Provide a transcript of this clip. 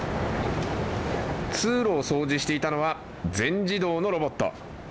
通路を掃除していたのは全自動のロボット。